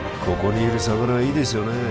ここにいる魚はいいですよね